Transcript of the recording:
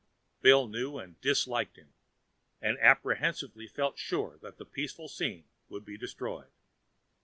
Bill knew and disliked him, and apprehensively felt sure the peaceful scene would be destroyed.